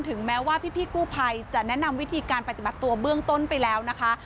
ถึงแม้ว่าพี่กู้ภัยจะแนะนำวิธีการปฏิบัติตัวเบื้องต้นไปแล้วนะคะ